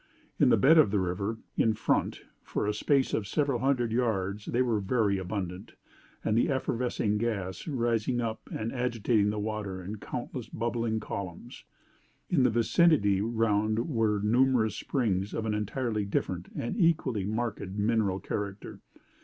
In the bed of the river, in front, for a space of several hundred yards, they were very abundant; the effervescing gas rising up and agitating the water in countless bubbling columns. In the vicinity round about were numerous springs of an entirely different and equally marked mineral character.